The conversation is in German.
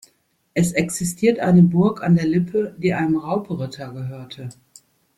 Es existiert eine Burg an der Lippe, die einem Raubritter gehörte.